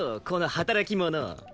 この働き者！